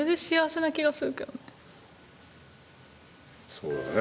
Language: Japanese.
そうだね。